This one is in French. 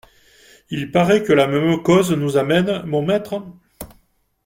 Il parait que la même cause nous amène, mon maître ?